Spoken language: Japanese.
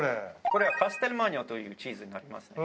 これはカステルマーニョというチーズになりますね。